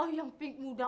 oh yang pink muda